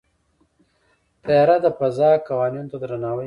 طیاره د فضا قوانینو ته درناوی کوي.